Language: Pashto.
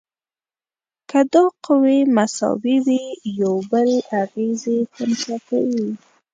که دا قوې مساوي وي یو بل اغیزې خنثی کوي.